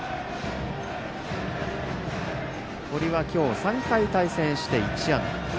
堀は今日３回対戦して１安打。